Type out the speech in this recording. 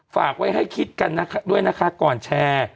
ฝากไว้ให้คิดกันนะคะก่อนแชร์